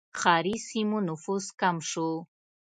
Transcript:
ښاري سیمو نفوس کم شو.